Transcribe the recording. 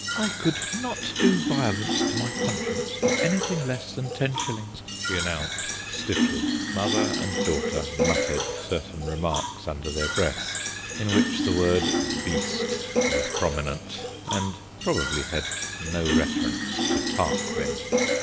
"I could not do violence to my conscience for anything less than ten shillings," she announced stiffly. Mother and daughter muttered certain remarks under their breath, in which the word "beast" was prominent, and probably had no reference to Tarquin.